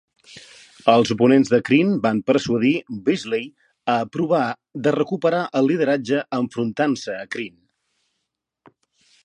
Els oponents de Crean van persuadir Beazly a provar de recuperar el lideratge enfrontant-se a Crean.